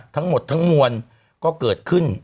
ทั้งหมดทั้งมวลก็เกิดขึ้น